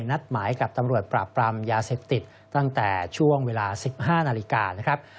นัดหมายกับตำรวจปราบปรามยาเสพติดตั้งแต่ช่วงเวลา๑๕นาฬิกานะครับ